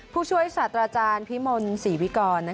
ผู้ช่วยสระจารพิมนธ์ศรีวิกร